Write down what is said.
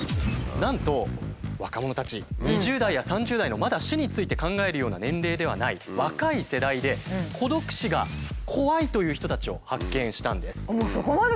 なんと若者たち２０代や３０代のまだ死について考えるような年齢ではない若い世代で孤独死が怖いという人たちを発見したんです。